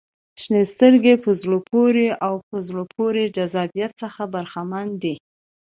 • شنې سترګې د په زړه پورې او په زړه پورې جذابیت څخه برخمنې دي.